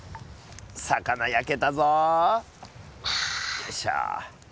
よいしょ。